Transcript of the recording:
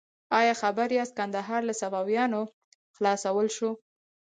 ایا خبر یاست کندهار له صفویانو خلاصول شو؟